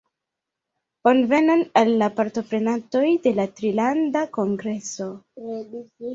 Bonvenon al la partoprenantoj de la Trilanda Kongreso